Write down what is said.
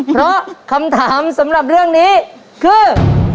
เพราะคำถามสำหรับเรื่องนี้คือ